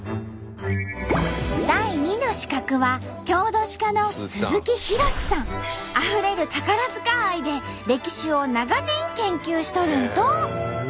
第２の刺客はあふれる宝塚愛で歴史を長年研究しとるんと！